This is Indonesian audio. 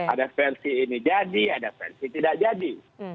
ada versi ini jadi ada versi tidak jadi